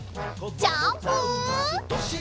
ジャンプ！